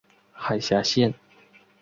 海峡线。